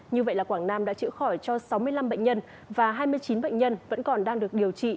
như vậy là quảng nam đã chữa khỏi cho sáu mươi năm bệnh nhân và hai mươi chín bệnh nhân vẫn còn đang được điều trị